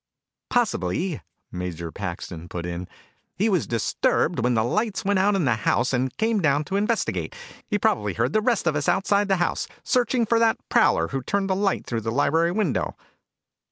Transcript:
"Possibly," Major Paxton put in, "he was disturbed when the lights went out in the house and came down to investigate. He probably heard the rest of us outside the house, searching for that prowler who turned the light through the library window."